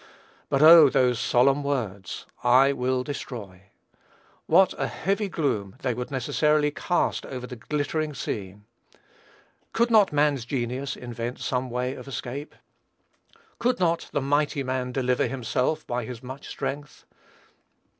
But, oh! those solemn words, "I will destroy!" What a heavy gloom they would necessarily cast over the glittering scene! Could not man's genius invent some way of escape? Could not "the mighty man deliver himself by his much strength?"